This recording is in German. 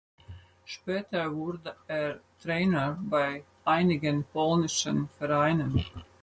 Später wurde er Trainer bei einigen polnischen Vereinen.